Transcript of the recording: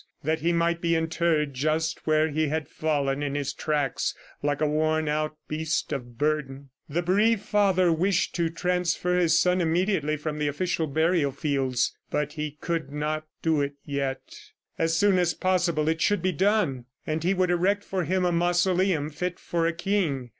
... that he might be interred just where he had fallen in his tracks, like a wornout beast of burden! The bereaved father wished to transfer his son immediately from the official burial fields, but he could not do it yet. As soon as possible it should be done, and he would erect for him a mausoleum fit for a king.